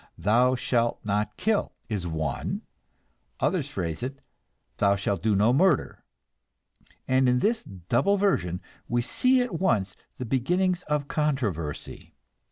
"Thou shalt not kill," is one; others phrase it, "Thou shall do no murder"; and in this double version we see at once the beginnings of controversy.